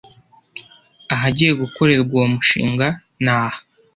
ahagiye gukorerwa uwo mushinga ni aha